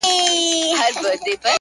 بيا خپه يم مرور دي اموخته کړم ـ